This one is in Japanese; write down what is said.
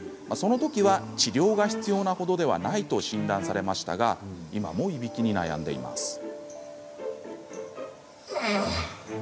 そのときは治療が必要なほどではないと診断されましたが今も、いびきに悩んでいます。